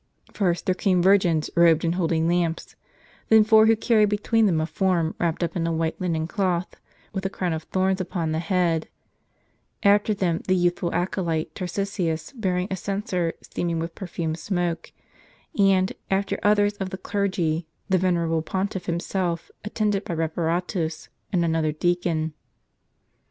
First, there came virgins robed and holding lamps ; then four who carried between them a form wrapped up in a white linen cloth, with a crown of thorns upon the head; after them the youthful acolyte Tarcisius bearing a censer steaming with perfumed smoke; and, after others of the clergy, the venerable Pon tiff himself, attended by Reparatus, and another deacon.